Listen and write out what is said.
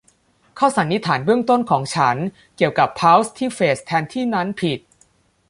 ข้อสันนิษฐานเบื้องต้นของฉันเกี่ยวกับพัลส์ที่เฟสแทนที่นั้นผิด